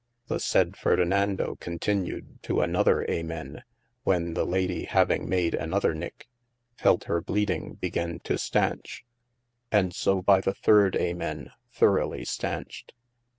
The saide Ferdinando continued to an other Amen, when ye Lady having made an other nick, felt hir bleeding began to steynch :& so by the third Amen throughly steinched.